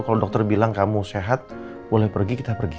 kalau dokter bilang kamu sehat boleh pergi kita pergi